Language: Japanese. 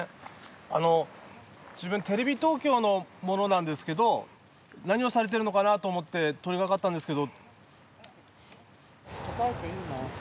あの自分テレビ東京の者なんですけど何をされてるのかなと思って通りかかったんですけど。